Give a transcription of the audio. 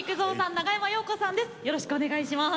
長山洋子さんです。